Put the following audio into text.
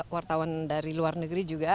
wartawan dari luar negeri juga